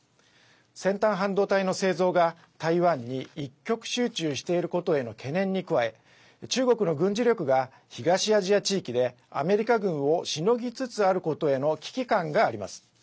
先端半導体の製造が台湾に一極集中していることへの懸念に加え中国の軍事力が東アジア地域でアメリカ軍をしのぎつつあることへの危機感があります。